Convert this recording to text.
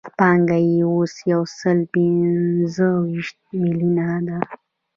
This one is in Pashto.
پانګه یې اوس یو سل پنځه ویشت میلیونه ده